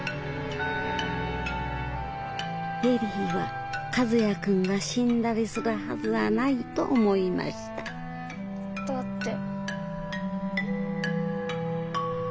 恵里は「和也君が死んだりするはずはない」と思いましただって。